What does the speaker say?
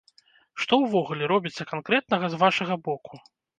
Што ўвогуле робіцца канкрэтнага з вашага боку?